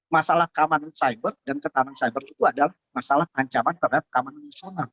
masalah keamanan siber dan ketangan siber itu adalah masalah ancaman terhadap keamanan nasional